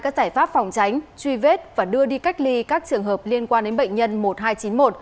các giải pháp phòng tránh truy vết và đưa đi cách ly các trường hợp liên quan đến bệnh nhân một nghìn hai trăm chín mươi một